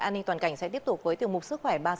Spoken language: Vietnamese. an ninh toàn cảnh sẽ tiếp tục với tiêu mục sức khỏe